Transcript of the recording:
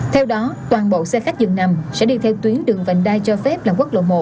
theo đó toàn bộ xe khách dường nằm sẽ đi theo tuyến đường vành đai cho phép là quốc lộ một